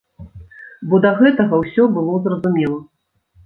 Бо да гэтага ўсё было зразумела.